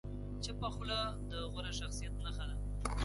چپه خوله، د غوره شخصیت نښه ده.